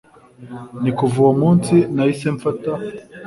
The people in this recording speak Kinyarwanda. ni kuva uwo munsi nahise mfata